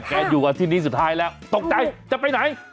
อยู่กับที่นี้สุดท้ายแล้วตกใจจะไปไหน